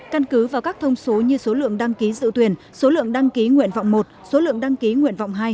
căn cứ vào các thông số như số lượng đăng ký dự tuyển số lượng đăng ký nguyện vọng một số lượng đăng ký nguyện vọng hai